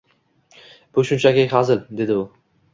— Bu shunchaki hazil, — dedi u.